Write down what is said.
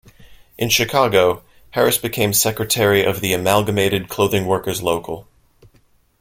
In Chicago, Harris became secretary of the Amalgamated Clothing Workers local.